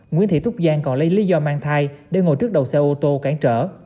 nguyễn thị trúc giang còn lấy lý do mang thai để ngồi trước đầu xe ô tô can trở